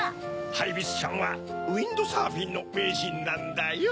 ハイビスちゃんはウインドサーフィンのめいじんなんだよ。